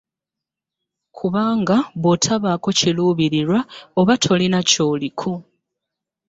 Kubanga bw'otobaako kiruubirirwa, oba tolina ky'oliko.